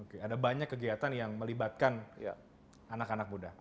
oke ada banyak kegiatan yang melibatkan anak anak muda